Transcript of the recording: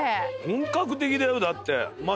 本格的だよだって。